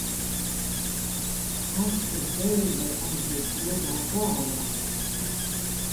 Astes dēļ var aiziet bojā galva.